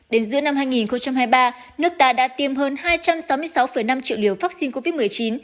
đến giữa năm hai nghìn hai mươi ba nước ta đã tiêm hơn hai trăm sáu mươi sáu năm triệu liều vaccine covid một mươi chín